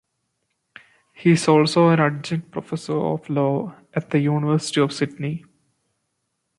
He is also an adjunct professor of law at the University of Sydney.